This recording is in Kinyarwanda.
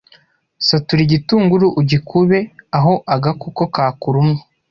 Satura igitunguru ugikube aho agakoko kakurumye